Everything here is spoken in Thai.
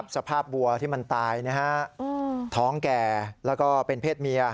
สภาพบัวที่มันตายนะฮะท้องแก่แล้วก็เป็นเพศเมีย